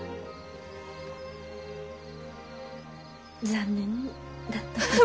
残念だったけど。